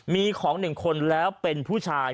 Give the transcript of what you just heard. มีของ๑คนแล้วเป็นผู้ชาย